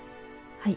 はい。